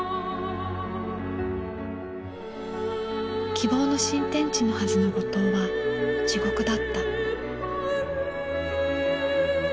希望の新天地のはずの五島は地獄だった。